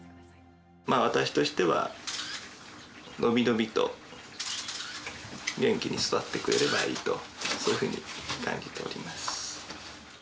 私としては、伸び伸びと元気に育ってくれればいいと、そういうふうに感じております。